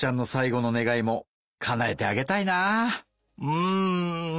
うん。